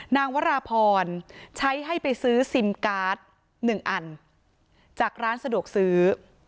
วราพรใช้ให้ไปซื้อซิมการ์ด๑อันจากร้านสะดวกซื้อ